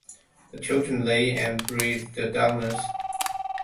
The children lay and breathed the darkness.